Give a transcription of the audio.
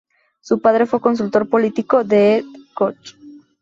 Su padre fue consultor político de Ed Koch.